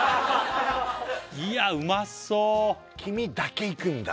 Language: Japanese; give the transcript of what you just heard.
いやうまそう黄身だけいくんだ